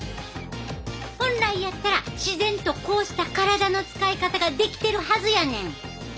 本来やったら自然とこうした体の使い方ができてるはずやねん。